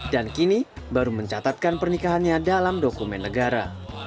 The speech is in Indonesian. dan kini baru mencatatkan pernikahannya dalam dokumen negara